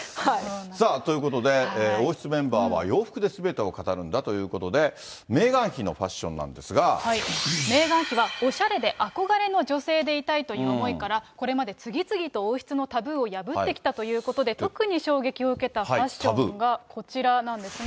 あと、実はちょっと、結構、女王出てこられるまでどしゃ降りさあ、ということで、王室メンバーは洋服ですべてを語るんだということで、メーガン妃のファメーガン妃はおしゃれで憧れの女性でいたいという思いから、これまで次々と王室のタブーを破ってきたということで、特に衝撃を受けたファッションが、こちらなんですね。